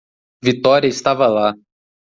Vitória estava lá.